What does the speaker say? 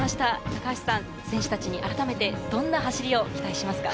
高橋さん、選手たちに改めて、どんな走りを期待しますか？